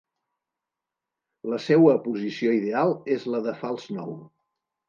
La seua posició ideal és la de fals nou.